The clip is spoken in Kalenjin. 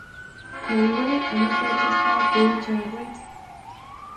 Kongoi amu ketesta kou chorwet